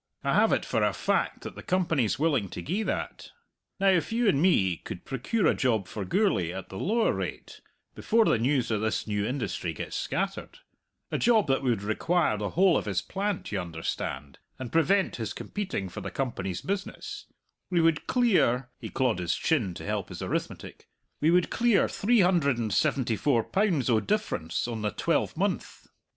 I have it for a fact that the Company's willing to gie that. Now if you and me could procure a job for Gourlay at the lower rate, before the news o' this new industry gets scattered a job that would require the whole of his plant, you understand, and prevent his competing for the Company's business we would clear" he clawed his chin to help his arithmetic "we would clear three hundred and seventy four pounds o' difference on the twelvemonth.